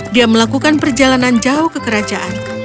dia melakukan perjalanan jauh ke kerajaan